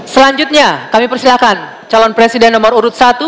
selanjutnya kami persilahkan calon presiden nomor urut satu